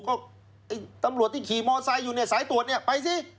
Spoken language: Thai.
ก็ตำรวจที่ขี่มอไซด์อยู่ในสายตรวจนี่ไปสิ